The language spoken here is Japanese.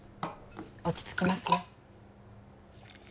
落ち着きますよ